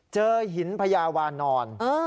เจอหินพญาวานอน